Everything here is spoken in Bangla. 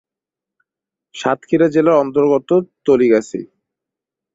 সাতক্ষীরা জেলার অন্তর্গত তলিগাছি।